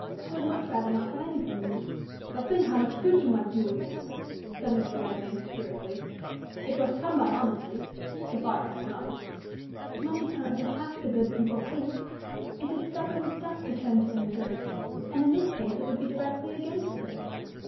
I would much rather not have any from you." "But think how much good you might do with it!" said Mr. Redmain, satirically. " It was come by honestly so far as I know." "Money can't do half the good people think. It is stubborn stuff to turn to any good. And in this case it would be directly against good."